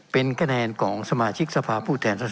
เป็นของสมาชิกสภาพภูมิแทนรัฐรนดร